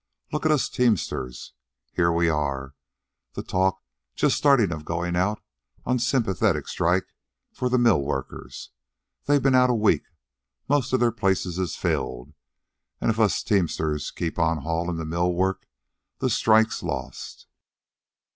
Look at us teamsters. Here we are, the talk just starting of going out on sympathetic strike for the mill workers. They've ben out a week, most of their places is filled, an' if us teamsters keep on haulin' the mill work the strike's lost."